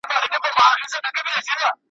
زه پوهېدم تاته مي نه ویله `